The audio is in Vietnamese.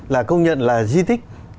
là công nhận là di tích